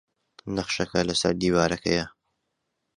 نەخشەکە لەسەر دیوارەکەیە.